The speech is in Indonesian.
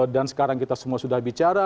dan sekarang kita semua sudah bicara